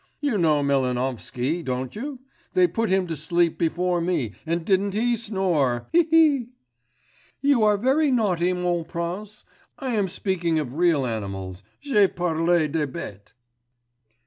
'You know Melvanovsky, don't you? They put him to sleep before me, and didn't he snore, he, he!' 'You are very naughty, mon prince; I am speaking of real animals, je parle des bêtes.